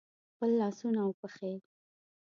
خپل لاسونه او پښې